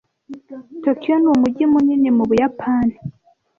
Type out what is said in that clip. Tokiyo ni umujyi munini mu Buyapani.